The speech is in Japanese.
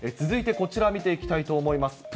続いてこちら、見ていきたいと思います。